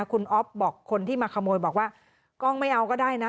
คุณอ๊อฟบอกคนที่มาขโมยบอกว่ากล้องไม่เอาก็ได้นะ